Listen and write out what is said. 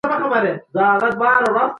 چي بد ګرځي، بد به پرځي.